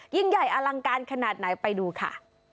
ยิ่งใหญ่อลังการขนาดไหนไปดูค่ะ